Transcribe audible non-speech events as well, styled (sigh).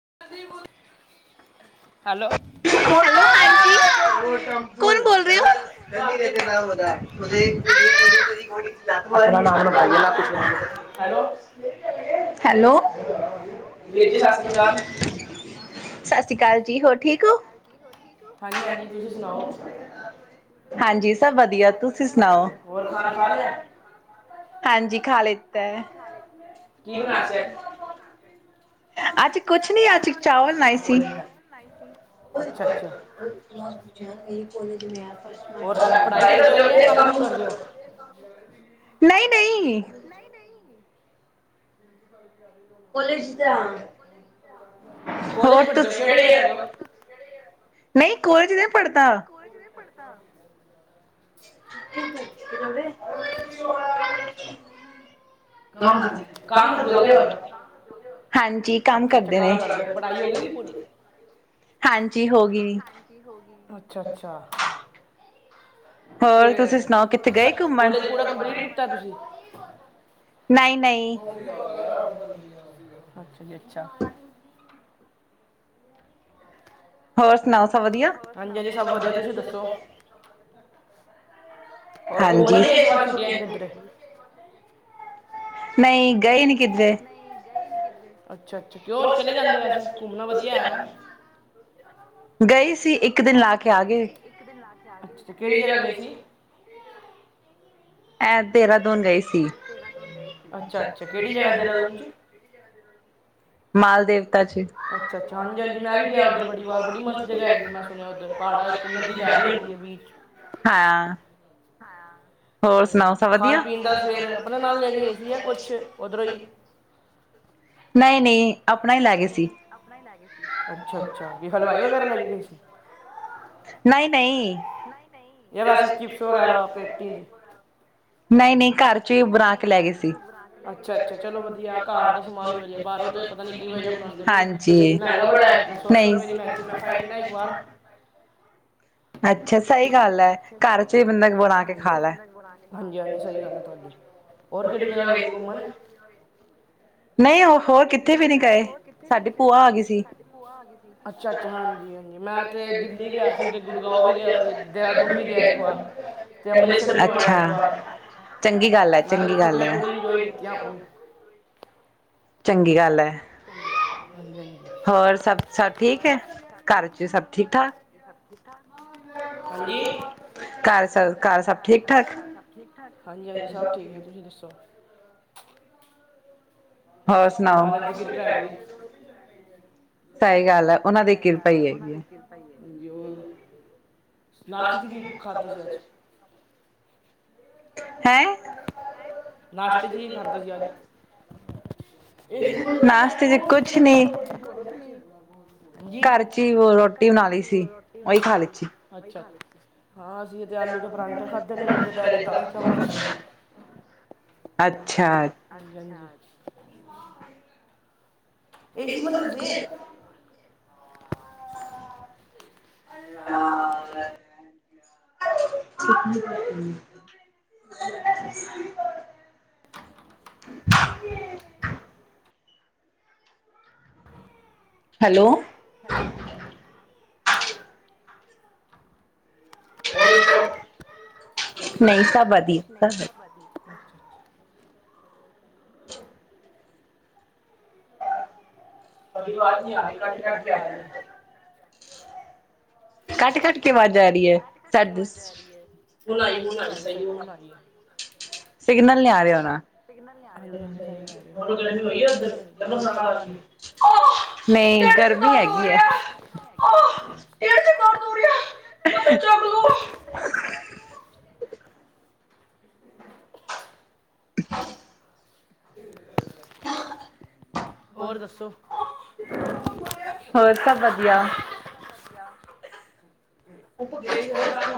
(inaudible) (inaudible) ਕੌਣ ਬੋਲ ਰਹੇ ਹੋ (inaudible) ਹੈਲੋ- ਦੀਜੀ ਸਤਿ ਸ਼੍ਰੀ ਅਕਾਲ ਸਤਿ ਸ਼੍ਰੀ ਅਕਾਲ ਜੀ। ਹੋਰ ਠੀਕ ਹੋ- ਹਾਂਜੀ ਸਭ ਵਧੀਆ ਤੁਸੀ ਸੁਣਾਓ ਹਾਂਜੀ ਖਾ ਲਿਤਾ ਹੈ। ਅਜ ਕੁਛ ਨੀ ਅਜ ਚਾਵਲ ਬਨਾਏ ਸੀ। (unintelligible) (unintelligible) ਨਹੀ- ਨਹੀ- ਕੋਲੇਜ ਵਿਚ ਹਾਂ। ਹੋਰ ਨਹੀ ਕੋਲੇਜ ਨਹੀ ਪੜ੍ਹਦਾ ਹਾਂ- (unintelligible) ਕਮ ਕਰਦੇ ਕਮ ਕਰਦੇ ਹੋਗੇ ਹੋਰ ਹਾਂਜੀ ਕਮ ਕਰਦੇ ਨੇ- ਅੱਛਾ- ਅੱਛਾ- ਕੇ ਕਲੇਜ ਪੂਰਾ ਕੰਪਲੀਟ ਕੀਤਾ ਤੁਸੀ (unintelligible) ਅਛਾ ਜੀ ਅਛਾ- ਹੋਰ ਸੁਣਾਓ ਸਭ ਵਧੀਆ। ਹੋਰ ਘੁੰਮਣ ਗਏ ਇਸ ਵਾਰ ਛੁਟੀਆ ਚ' ਕਿਦਰੇ ਨਹੀ ਗਈ ਨੀ- ਨਹੀ ਗਈ- ਅੱਛਾ- ਅੱਛਾ ਰੋਜ ਚਲੇ ਜਾਂਦੇ ਵੈਸੇ ਘੁੰਮਣਾ ਵਧੀਆ ਹੈ। ਗਈ ਸੀ ਇਕ ਦਿਨ ਲਾ ਕੇ ਆ ਗਏ- (unintelligible) ਇਹ ਦੇਹਰਾਦੂਨ ਗਏ ਸੀ ਤੁਸੀ ਜਾਏ ਆਉਂਦੇ (unintelligible) ਮਾਲਦੇਨ (unintelligible) ਅੱਛਾ (unintelligible) ਹਾਂ- ਖਾਣ ਪੀਣ ਦਾ ਸਵੇਰ ਆਪਣੇ ਨਾਲ ਲੈ ਕੇ ਗਏ ਸੀ ਜਾਂ ਕੁਛ ਓਧਰੋ ਹੀ। (inaudible) ਨਹੀ- ਨਹੀ- ਅੱਛਾ- ਅੱਛਾ ਵੀ ਹਲਵਾਈ ਵਗੈਰਾ ਲੈ ਗਏ ਸੀ ਜਾ ਵੈਸੇ ਚਿਪਸ ਵਗੈਰਾ ਪੈਟੀ ਨਹੀਂ ਨਹੀਂ ਘਰ ਚ' ਹੀ ਬਣਾ ਕੇ ਲੈ ਗਏ ਸੀ ਉਥੇ ਪਤਾ ਨਹੀ ਕੀ ਹਾਂਜੀ ਨਹੀਂ ਅੱਛਾ ਸਹੀ ਗੱਲ ਹੈ। ਘਰ ਚ' ਵੀ ਬੰਦਾ ਬਣਾ ਕੇ ਖਾ ਲੈ ਨਹੀਂ ਉਹ ਹੋਰ ਕਿਥੇ ਵੀ ਨੀ ਗਏ ਅੱਛਾ ਅੱਛਾ ਹਾਂਜੀ ਹਾਂਜੀ ਮੈਂ ਤੇ ਦਿੱਲੀ ਗਿਆ ਸੀ ਗੁੜਗਾਵ ਵੀ ਗਿਆ ਸੀ ਦੇਹਰਾਦੂਨ ਵੀ ਗਿਆ ਇਕ ਵਾਰ ਤੇ ਅੰਮ੍ਰਿਤਸਰ ਵੀ ਹੋ ਆਇਆ ਇੱਕ ਵਾਰ ਚੰਗੀ ਗੱਲ ਹੈ। ਚੰਗੀ ਗੱਲ ਹੈ। ਚੰਗੀ ਗੱਲ ਹੈ (unintelligible) ਹੋਰ ਸਭ ਸਭ ਠੀਕ ਹੈ। ਘਰ ਚ ਸਭ ਠੀਕ ਠਾਕ ਹਾਂਜੀ- ਹਾਂਜੀ- ਹਾਂਜੀ ਸਭ ਠੀਕ ਤੁਸੀਂ ਦਸੋ ਹੋਰ ਸੁਣਾਓ। ਪੈ ਗਈ। ਸਹੀ ਗੱਲ ਹੈ ਉਹਨਾਂ ਦੀ ਕਿਰਪਾ ਹੀ ਹੈ। ਨਾਸ਼ਤੇ ਚ ਕੀ ਖਾਧਾ ਸੀ ਅੱਜ? ਹੈਂ (unintelligible) (unintelligible) ਨਾਸਤੇ ਚ ਕੁਛ ਨੀ। ਜੀ ਘਰ ਦੀ ਰੋਟੀ ਬਣਾ ਲਈ ਸੀ। ਹਾਂ ਅਸੀਂ ਇਹ ਤੇ ਆਲੂ ਨੇ ਪਰਾਂਠੇ ਖਾਧੇ ਨੇ ਤੇ ਦੁਪਹਿਰੇ ਦਾਲ ਚਾਵਲ ਖਾਧੇ ਸੀ। ਅੱਛਾ। (unintelligible) (unintelligible) (unintelligible) (unintelligible) (unintelligible) ਹੈਲੋ। ਹੈਲੋ। ਹੋਰ ਦੱਸੋ (unintelligible) ਤੁਹਾਡੀ ਆਵਾਜ਼ ਨਹੀਂ ਆ ਰਹੀ ਕੱਟ- ਕੱਟ ਕੇ ਆ ਰਹੀ ਹੈ ਕੱਟ ਕੱਟ ਕਿਦੀ ਅਵਾਜ ਆ ਰਹੀ ਹੈ, ਸਾਡੀ ਆਈ-ਹੁਣ ਹੁਣ -ਆਈ ਸਹੀ ਹੁਣ ਆਈ ਹੈ ਸਿਗਨਲ ਨਹੀ, ਆ ਰਿਹਾ ਹੋਣਾ (inaudible) (inaudible) ਗਰਮੀ, ਹੈਗੀ ਹੈ (inaudible) (inaudible) (inaudible) (unintelligible) ਹੋਰ ਦੱਸੋ (unintelligible) ਹੋਰ ਸਭ ਵਧੀਆ (inaudible) (inaudible)